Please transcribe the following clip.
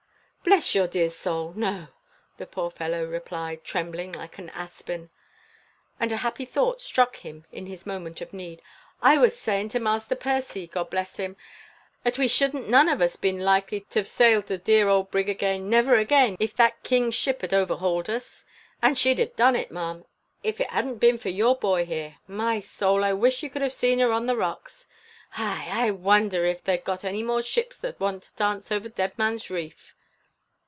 "Bless your dear soul! no," the poor fellow replied, trembling like an aspen. And a happy thought struck him in his moment of need. "I was sayin' to Master Percy God bless him! 'at we shouldn't none of us been likely to've sailed in the dear old brig again never again if that king's ship had overhauled us. And she'd 'a' done it, ma'am, if it hadn't been for your boy here. My soul! I wish you could 'ave seen her on the rocks. Hi! I wonder 'f they've got any more ships that want to dance over Dead Man's Reef."